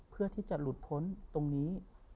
เพื่อที่จะหลุดพ้นตรงนี้